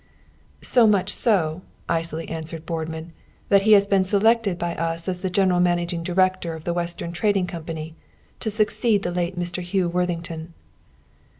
"So much so," icily answered Boardman, "that he has been selected by us as the general managing director of the Western Trading Company to succeed the late Mr. Hugh Worthington."